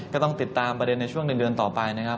ก็ต้องติดตามประเด็นในช่วง๑เดือนต่อไปนะครับ